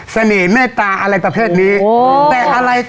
เสนียงแม่ตาอะไรประเภทนี้